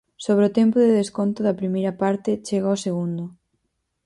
Sobre o tempo de desconto da primeira parte chega o segundo.